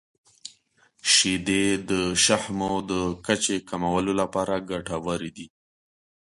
• شیدې د شحمو د کچې کمولو لپاره ګټورې دي.